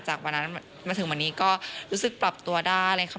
จากวันนั้นมาถึงวันนี้ก็รู้สึกปรับตัวได้เลยค่ะ